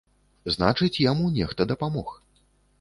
Значыць, яму нехта дапамог.